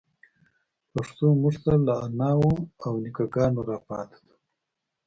پښتو موږ ته له اناوو او نيکونو راپاتي ده.